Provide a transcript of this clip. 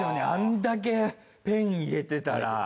あんだけペン入れてたら。